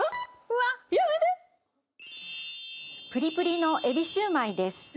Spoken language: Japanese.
プリプリのエビシューマイです。